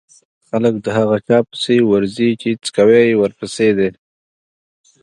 خلک د هغه چا پسې ورځي چې څکوی يې ورپسې دی.